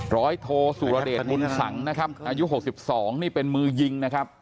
ร้อยโทสุรเดชบุญสังนะครับอายุ๖๒นี่เป็นมือยิงนะครับ